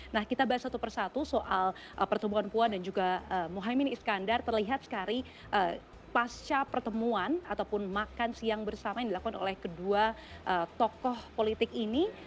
nah kita bahas satu persatu soal pertemuan puan dan juga mohaimin iskandar terlihat sekali pasca pertemuan ataupun makan siang bersama yang dilakukan oleh kedua tokoh politik ini